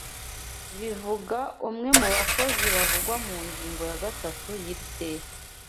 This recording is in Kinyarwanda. bivuga umwe mu bakozi bavugwa mu ngingo ya ga tatu y'iri teka